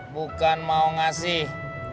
bukan mau ngasih